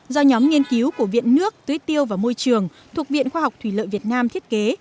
do nhóm nghiên cứu của viện nước tưới tiêu và môi trường thuộc viện khoa học thủy lợi việt nam thiết kế